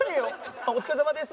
あっお疲れさまです。